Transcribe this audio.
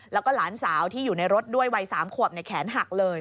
แล้วก็หลานสาวที่อยู่ในรถด้วยวัย๓ขวบแขนหักเลย